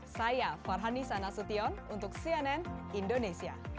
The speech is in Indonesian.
saya farhani sanasution untuk cnn indonesia